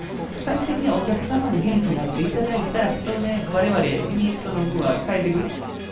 最終的にはお客様が元気になっていただいて、当然、われわれにその分は返ってくる。